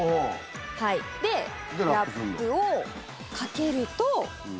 はいでラップをかけると。